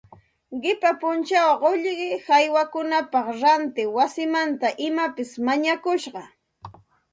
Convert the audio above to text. Qipa punchaw qullqi haywaykunapaq ranti wasimanta imapas mañakusqa